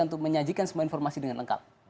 untuk menyajikan semua informasi dengan lengkap